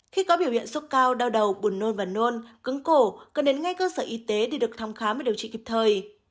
khi có biểu hiện sốt cao đau đầu buồn nôn và nôn cứng cổ cần đến ngay cơ sở y tế để được thăm khám và điều trị kịp thời